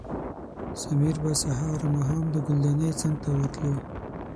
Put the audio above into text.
سمیر به سهار او ماښام د ګلدانۍ څنګ ته ورتلو.